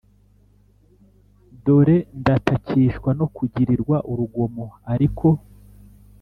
Dore ndatakishwa no kugirirwa urugomo ariko